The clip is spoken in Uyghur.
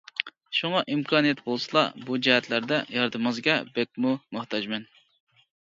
شۇڭا ئىمكانىيەت بولسىلا بۇ جەھەتلەردە ياردىمىڭىزگە باكمۇ موھتاجمەن.